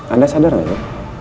anda sadar gak ya